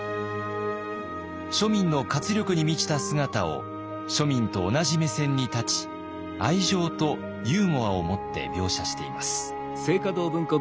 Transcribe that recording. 庶民の活力に満ちた姿を庶民と同じ目線に立ち愛情とユーモアをもって描写しています。